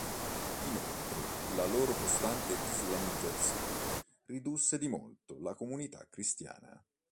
Inoltre la loro costante islamizzazione ridusse di molto la comunità cristiana.